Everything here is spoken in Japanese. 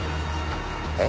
えっ？